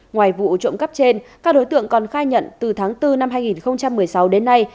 ngoài vụ trộm cắp trên các đối tượng còn khai nhận từ tháng bốn năm hai nghìn một mươi sáu đến nay